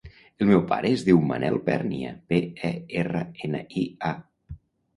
El meu pare es diu Manel Pernia: pe, e, erra, ena, i, a.